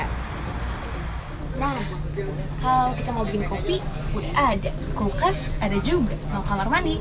nah kalau kita mau bikin kopi udah ada kulkas ada juga mau kamar mandi